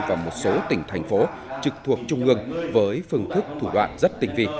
và một số tỉnh thành phố trực thuộc trung ương với phương thức thủ đoạn rất tình phi